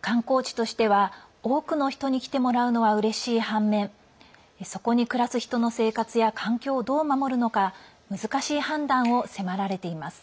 観光地としては多くの人に来てもらうのは、うれしい反面そこに暮らす人の生活や環境をどう守るのか難しい判断を迫られています。